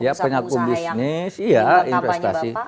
ya penyakit bisnis ya investasi